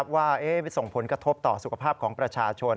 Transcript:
ว่าไปส่งผลกระทบต่อสุขภาพของประชาชน